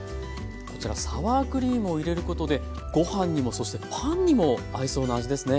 こちらサワークリームを入れることでご飯にもそしてパンにも合いそうな味ですね。